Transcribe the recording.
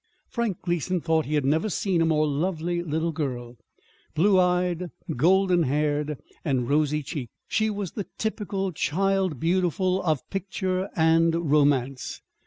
Frank Gleason thought he had never seen a more lovely little girl. Blue eyed, golden haired, and rosy cheeked, she was the typical child beautiful of picture and romance.